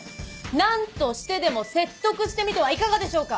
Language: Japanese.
何としてでも説得してみてはいかがでしょうか！